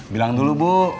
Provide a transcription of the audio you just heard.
bilang dulu bu